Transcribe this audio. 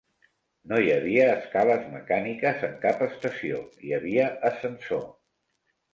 No hi havia escales mecàniques en cap estació; hi havia ascensor.